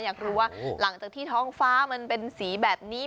อยากรู้ว่าหลังจากที่ท้องฟ้ามันเป็นสีแบบนี้